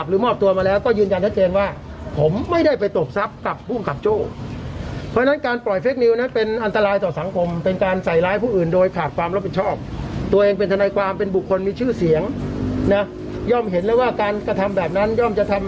กลุ่มทนายความและสื่อมนตรชนจำนวนมากจนมาสัมภาษณ์ผม